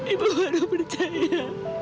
ibu baru percaya